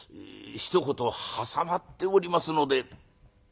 ひと言挟まっておりますので」。